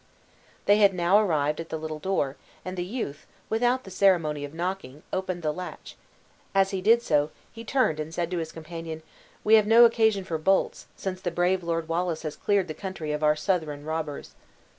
They had now arrived at the little door, and the youth, without the ceremony of knocking, opened the latch; as he did so, he turned and said to his companion, "We have no occasion for bolts, since the brave Lord Wallace has cleared the country of our Southron robbers."